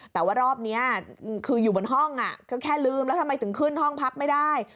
แต่ว่ารอบนี้คืออยู่บนห้องก็แค่ลืมแล้วทำไมถึงขึ้นห้องพักไม่ได้